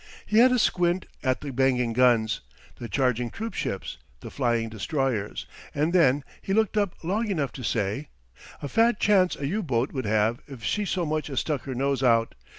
He had a squint at the banging guns, the charging troop ships, the flying destroyers; and then he looked up long enough to say: "A fat chance a U boat would have if she so much as stuck her nose out.